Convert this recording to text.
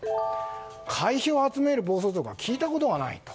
会費を集める暴走族は聞いたことがないと。